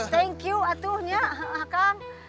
thank you atuhnya akang